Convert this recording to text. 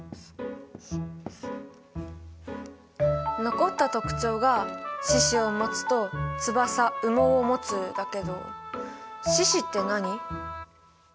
残った特徴が「四肢をもつ」と「翼・羽毛をもつ」だけど「四肢」って何？